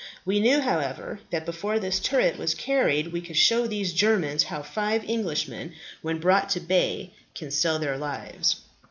We knew, however, that before this turret was carried we could show these Germans how five Englishmen, when brought to bay, can sell their lives."